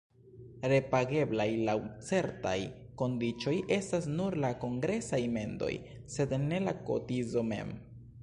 Repageblaj laŭ certaj kondiĉoj estas nur la kongresaj mendoj, sed ne la kotizo mem.